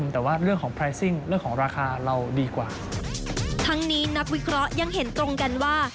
ทั้งนี้นักวิเคราะห์ยังเห็นตรงกันว่า